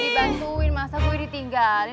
kalian udah dibantuin masa gue ditinggalin